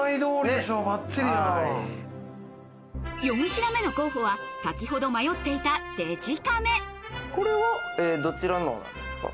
４品目の候補は先ほど迷っていたデジカメこれはどちらのなんですか？